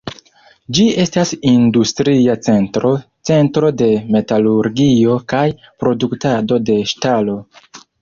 Ĝi estas industria centro, centro de metalurgio kaj produktado de ŝtalo.